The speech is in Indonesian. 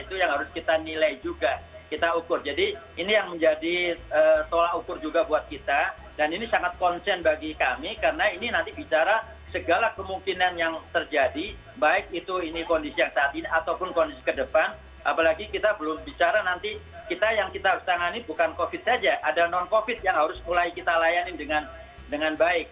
itu yang harus kita nilai juga kita ukur jadi ini yang menjadi tolak ukur juga buat kita dan ini sangat konsen bagi kami karena ini nanti bicara segala kemungkinan yang terjadi baik itu kondisi yang saat ini ataupun kondisi ke depan apalagi kita belum bicara nanti kita yang kita tangani bukan covid saja ada non covid yang harus mulai kita layanin dengan baik